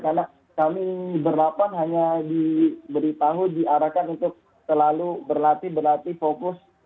karena kami berlapan hanya diberitahu diarahkan untuk selalu berlatih berlatih fokus